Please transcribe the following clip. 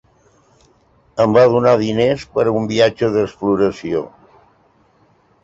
Em va donar diners per a un viatge d'exploració…